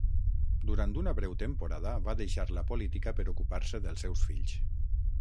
Durant una breu temporada, va deixar la política per ocupar-se dels seus fills.